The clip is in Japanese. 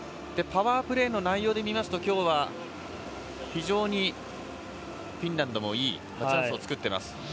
パワープレーの内容で見ると今日は非常にフィンランドもいいチャンスを作っています。